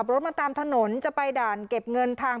รถมาตามถนนจะไปด่านเก็บเงินทาง